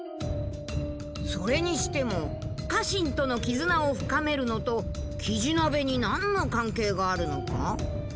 それにしても家臣との絆を深めるのとキジ鍋に何の関係があるのか？